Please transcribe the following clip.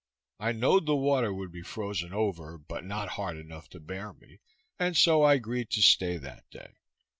I knowed the water would be frozen over, but not hard enough to bear me, and so I agreed to stay that day.